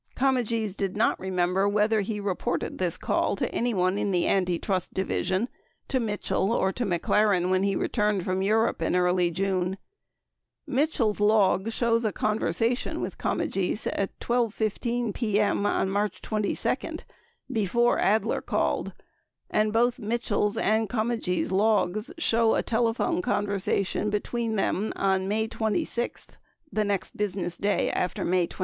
Comegys did not remember whether he re ported this call to anyone in the Antitrust Division, to Mitchell, or to McLaren when he returned from Europe in early June. Mitchell's log shows a conversation with Comegys at 12 :15 p.m. on May 22, before Adler called, 22 and both Mitchell's and Comegys' logs 23 show a telephone conversation between them on May 25, the next business day after May 22.